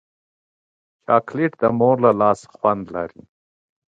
چاکلېټ د مور له لاسه خوند لري.